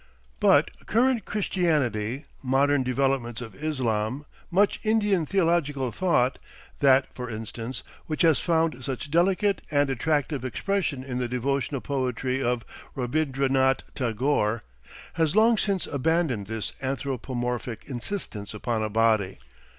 But current Christianity, modern developments of Islam, much Indian theological thought that, for instance, which has found such delicate and attractive expression in the devotional poetry of Rabindranath Tagore has long since abandoned this anthropomorphic insistence upon a body.